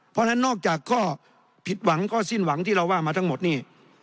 เพราะฉะนั้นนอกจากข้อผิดหวังข้อสิ้นหวังที่เราว่ามาทั้งหมดนี่